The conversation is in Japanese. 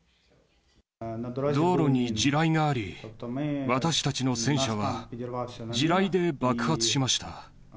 道路に地雷があり、私たちの戦車は地雷で爆発しました。